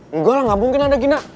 enggak lah gak mungkin ada gina